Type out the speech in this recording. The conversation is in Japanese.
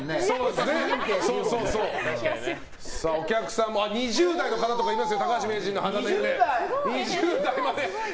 お客さんは２０代の方もいます。